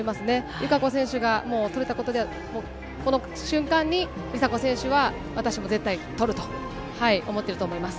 友香子選手がもうとれたことで、この瞬間に、梨紗子選手は私も絶対とると思っていると思います。